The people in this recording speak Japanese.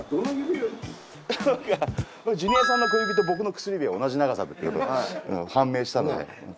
ジュニアさんの小指と僕の薬指が同じ長さってことが判明したので。